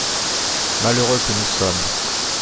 Malheureux que nous sommes!